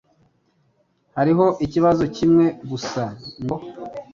Hariho ikibazo kimwe gusa, ngira ngo.